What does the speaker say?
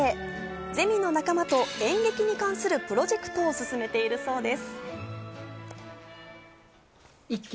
ゼミの仲間と演劇に関するプロジェクトを進めているそうです。